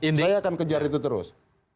saya akan kejar itu terus